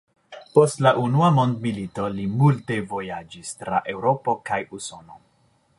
Post la unua mondmilito li multe vojaĝis tra Eŭropo kaj Usono.